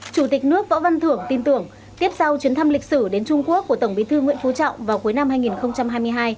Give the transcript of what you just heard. chủ tịch nước võ văn thưởng tin tưởng tiếp sau chuyến thăm lịch sử đến trung quốc của tổng bí thư nguyễn phú trọng vào cuối năm hai nghìn hai mươi hai